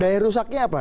daya rusaknya apa